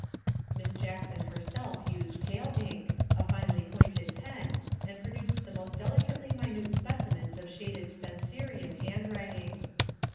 '' Miss Jackson herself used pale ink, a finely pointed pen, and produced the most delicately minute specimens of shaded Spencerian handwriting.